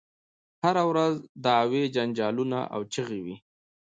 هره ورځ دعوې جنجالونه او چیغې وي.